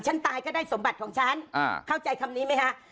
ฉันตายก็ได้สมบัติของฉันเข้าใจคำนี้ไหมฮะ